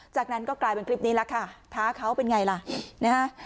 จากนั้นก็กลายเป็นคลิปนี้แล้วค่ะท้าเขาเป็นไงล่ะนะฮะ